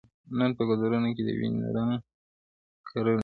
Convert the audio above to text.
نن په ګودرونو کي د وینو رنګ کرلی دی؛